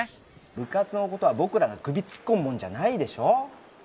部活のことは僕らが首突っ込むもんじゃないでしょ！